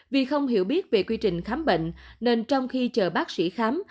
vì không hiểu biết về quy trình khám bệnh nên trong khi chờ bác sĩ khám